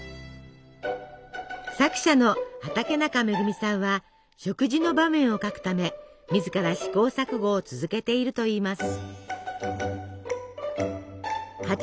作者の畠中恵さんは食事の場面を書くため自ら試行錯誤を続けているといいます。